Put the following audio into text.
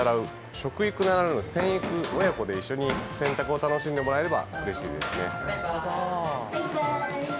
食育ならぬ洗育親子で一緒に洗濯を楽しんでもらえればうれしいです。